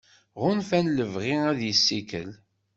Ɣunfan lebɣi ad yessikel.